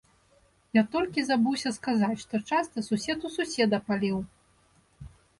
Я толькі забыўся сказаць, што часта сусед у суседа паліў.